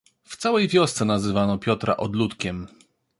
"W całej wiosce nazywano Piotra odludkiem."